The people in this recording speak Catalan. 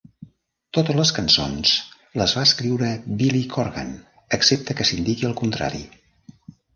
Totes les cançons les va escriure Billy Corgan, excepte que s'indiqui el contrari.